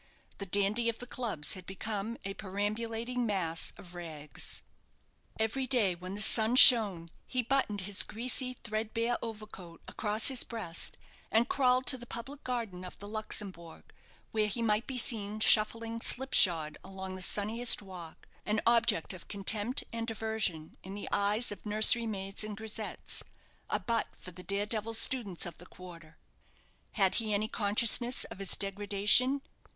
The dandy of the clubs had become a perambulating mass of rags. Every day when the sun shone he buttoned his greasy, threadbare overcoat across his breast, and crawled to the public garden of the Luxembourg, where he might be seen shuffling slipshod along the sunniest walk, an object of contempt and aversion in the eyes of nursery maids and grisettes a butt for the dare devil students of the quarter. Had he any consciousness of his degradation?